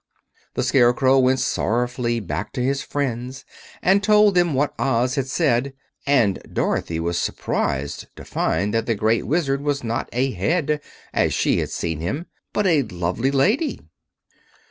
The Scarecrow went sorrowfully back to his friends and told them what Oz had said; and Dorothy was surprised to find that the Great Wizard was not a Head, as she had seen him, but a lovely Lady.